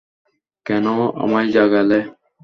কেন আমায় জাগালে?